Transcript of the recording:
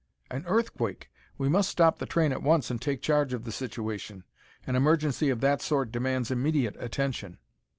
"An earthquake! We must stop the train at once and take charge of the situation. An emergency of that sort demands immediate attention."